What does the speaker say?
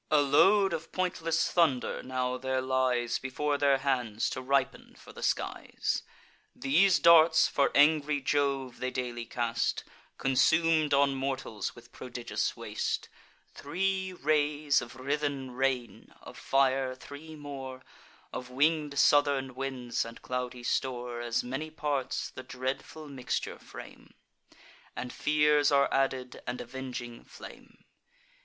A load of pointless thunder now there lies Before their hands, to ripen for the skies: These darts, for angry Jove, they daily cast; Consum'd on mortals with prodigious waste. Three rays of writhen rain, of fire three more, Of winged southern winds and cloudy store As many parts, the dreadful mixture frame; And fears are added, and avenging flame.